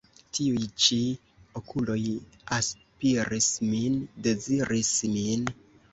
Tiuj ĉi okuloj aspiris min, deziris min.